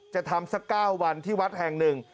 จะทำสัก๙วันที่วัดแห่งหนึ่ง